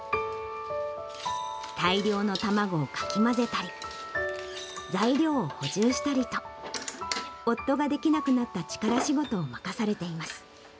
大量の卵をかき混ぜたり、材料を補充したりと、夫ができなくなった力仕事を任されています。